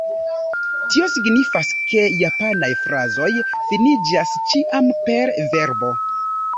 Tio signifas ke japanaj frazoj finiĝas ĉiam per verbo.